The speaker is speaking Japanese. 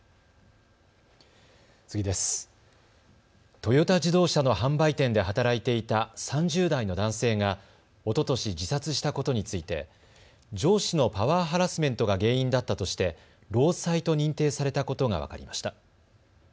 トヨタ自動車の販売店で働いていた３０代の男性がおととし自殺したことについて上司のパワーハラスメントが原因だったとして労災と認定されたことが分かりました。